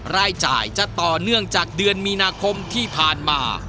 รายจ่ายจะต่อเนื่องจากเดือนมีนาคมที่ผ่านมา